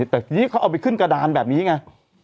แต่ทีนี้เขาเอาไปขึ้นกระดานแบบนี้ไง